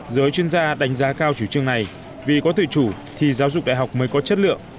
giới chuyên gia đánh giá cao chủ trương này vì có tự chủ thì giáo dục đại học mới có chất lượng